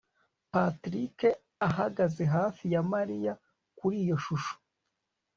patrick ahagaze hafi ya mariya kuri iyo shusho